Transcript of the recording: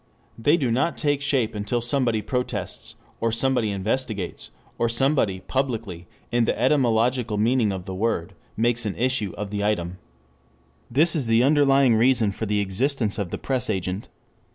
They do not take shape until somebody protests, or somebody investigates, or somebody publicly, in the etymological meaning of the word, makes an issue of them. This is the underlying reason for the existence of the press agent.